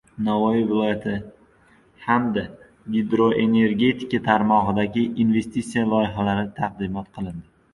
Navoiy viloyati hamda gidroenergetika tarmog‘idagi investitsiya loyihalari taqdimot qilindi